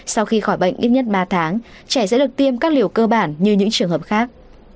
sau khi khỏi bệnh ít nhất ba tháng trẻ sẽ được tiêm các liều cơ bản như những trường hợp khác